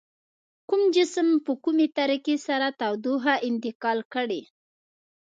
کوم جسم په کومې طریقې سره تودوخه انتقال کړي؟